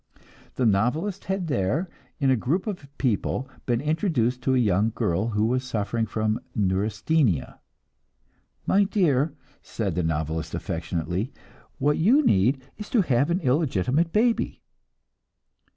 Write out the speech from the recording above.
The novelist had there, in a group of people, been introduced to a young girl who was suffering from neurasthenia. "My dear," said the novelist, affectionately, "what you need is to have an illegitimate baby."